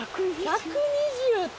１２０って！